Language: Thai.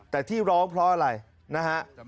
แต่ที่ร้องเพราะอะไรนะฮะ